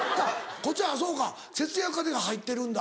こっちはそうか節約家で入ってるんだ。